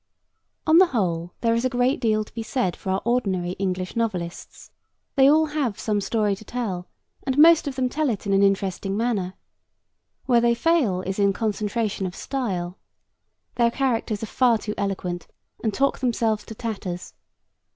On the whole, there is a great deal to be said for our ordinary English novelists. They have all some story to tell, and most of them tell it in an interesting manner. Where they fail is in concentration of style. Their characters are far too eloquent and talk themselves to tatters.